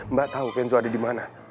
mbak tau kenzo ada dimana